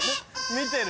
見てる？